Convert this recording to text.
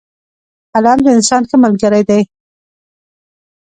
قلم د انسان ښه ملګری دی